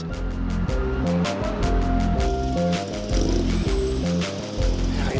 aku mau dia permanen